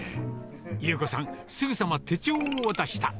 優子さん、すぐさま手帳を渡した。